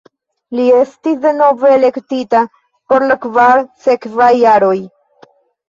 Li estis denove elektita por la kvar sekvaj jaroj.